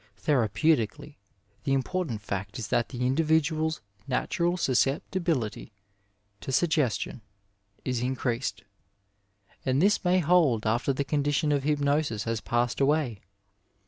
Therapeutically, the important fact is that the individual's natural susceptibility to suggestion is increased, and this may hold after the condi tion of hypnosis has passed away.